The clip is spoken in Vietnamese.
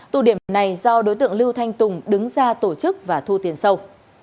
tụ điểm này do đối tượng lưu thanh tùng đứng ra tổ chức và thu tiền sâu